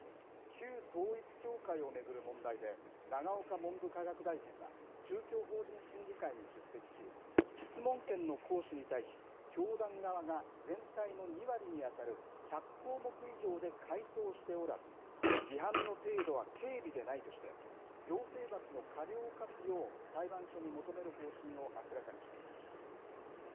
旧統一教会を巡る問題で、永岡文部科学大臣は、宗教法人審議会に出席し、質問権の行使に対し、教団側が全体の２割に当たる１００項目以上で回答しておらず、違反の程度は軽微でないとして、行政罰の過料を科すよう、裁判所に求める方針を明らかにしました。